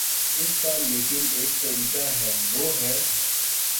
اس کا لیکن ایک طریقہ ہے، وہ ہے۔